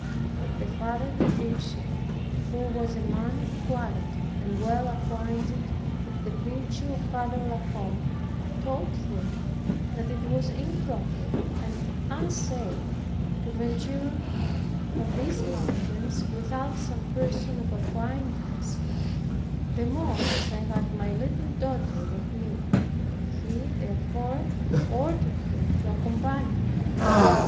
But the Father Provincial, who was a man of quality, and well acquainted with the virtue of Father La Combe, told him, that it was improper and unsafe to venture on these mountains, without some person of acquaintance; the more as I had my little daughter with me. He therefore ordered him to accompany me.